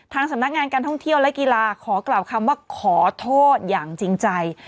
สำนักงานการท่องเที่ยวและกีฬาขอกล่าวคำว่าขอโทษอย่างจริงใจ